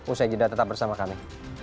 usai jeda tetap bersama kami